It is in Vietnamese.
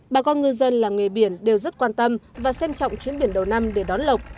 bà con ngư dân làm nghề biển đều rất quan tâm và xem trọng chuyến biển đầu năm để đón lọc